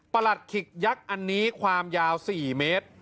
หลัดขิกยักษ์อันนี้ความยาว๔เมตร